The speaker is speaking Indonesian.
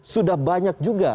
sudah banyak juga